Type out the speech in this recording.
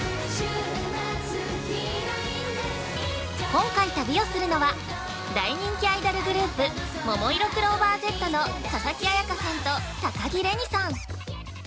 ◆今回、旅をするのは大人気アイドルグループももいろクローバーＺの佐々木彩夏さんと高城れにさん。